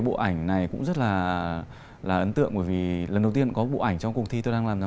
bộ ảnh này cũng rất là ấn tượng bởi vì lần đầu tiên có bộ ảnh trong cuộc thi tôi đang làm